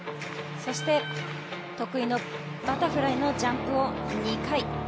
そして、得意のバタフライのジャンプを２回。